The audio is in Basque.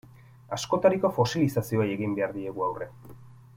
Askotariko fosilizazioei egin behar diegu aurre.